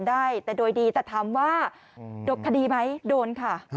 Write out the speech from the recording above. ได้แต่โดยดีแต่ถามว่าดกคดีไหมโดนค่ะ